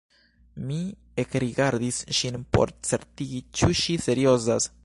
Mi ekrigardis ŝin por certigi ĉu ŝi seriozas.